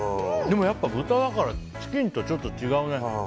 でもやっぱ豚だからチキンとはちょっと違うね。